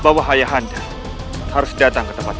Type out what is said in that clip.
bahwa ayah anda harus datang ke tempat ini